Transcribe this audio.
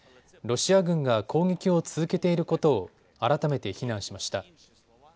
ロシア軍が攻撃を続けていることを改めて非難しました。